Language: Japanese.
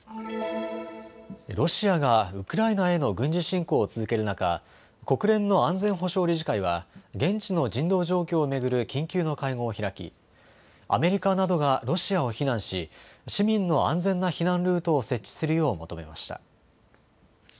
ロシアがウクライナへの軍事侵攻を続ける中、国連の安全保障理事会は現地の人道状況を巡る緊急の会合を開きアメリカなどがロシアを非難し市民の安全な避難ルートを設置するよう求めました。